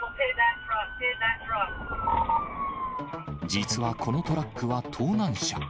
実はこのトラックは盗難車。